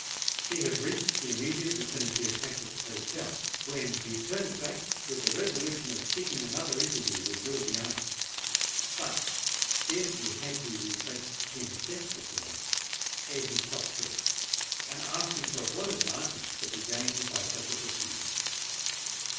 He had reached the immediate vicinity of Hatchett's Hotel, when he turned back with the resolution of seeking another interview with Georgiana. But scarcely had he retraced ten steps of the way, ere he stopped short, and asked himself what advantage could be gained by such a proceeding?